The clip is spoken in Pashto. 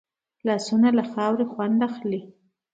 لاسونه له خاورې خوند اخلي